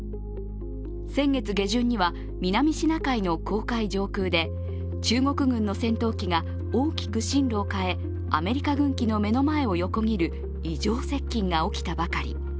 先月下旬には南シナ海の公海上空で中国軍の戦闘機が大きく進路を変え、アメリカ軍機の目の前を横切る異常接近が起きたばかり。